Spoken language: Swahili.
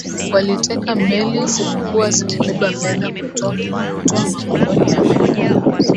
waliteka meli zilikuwa zimebeba fedha kutoa makoloni ya amerika